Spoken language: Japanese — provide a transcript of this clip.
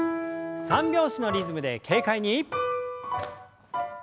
三拍子のリズムで軽快に。